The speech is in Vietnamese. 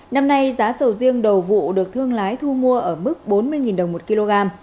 năm nay giá sầu riêng đầu vụ được thương lái thu mua ở mức bốn mươi đồng một kg